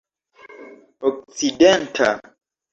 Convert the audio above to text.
okcidenta